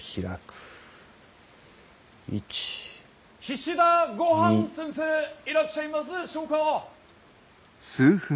・岸田ゴハン先生いらっしゃいますでしょうか。